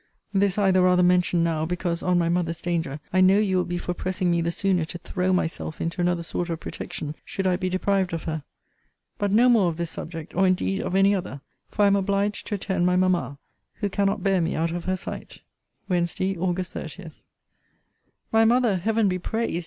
This I the rather mention now, because, on my mother's danger, I know you will be for pressing me the sooner to throw myself into another sort of protection, should I be deprived of her. But no more of this subject, or indeed of any other; for I am obliged to attend my mamma, who cannot bear me out of her sight. WEDNESDAY, AUG. 30. My mother, Heaven be praised!